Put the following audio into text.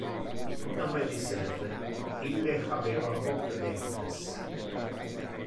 "Non me dicer! Ille habeva poc dentes.